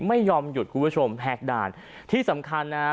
ไม่ยอมหยุดคุณผู้ชมแหกด่านที่สำคัญนะฮะ